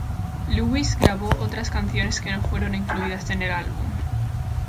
Lewis grabó otras canciones que no fueron incluidas en el álbum